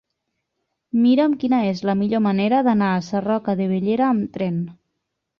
Mira'm quina és la millor manera d'anar a Sarroca de Bellera amb tren.